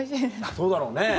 そうだろうね。